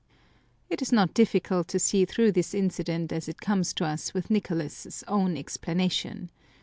It is not difficult to see through this incident as it comes to us with Nicolas's own explanation.